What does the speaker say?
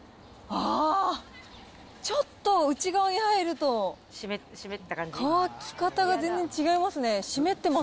あー、ちょっと内側に入ると、乾き方が全然違いますね、湿ってます。